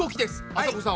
あさこさん